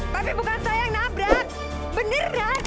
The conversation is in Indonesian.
tapi bukan saya yang nabrak beneran